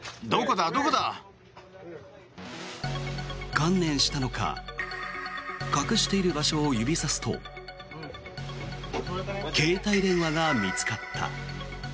観念したのか隠している場所を指さすと携帯電話が見つかった。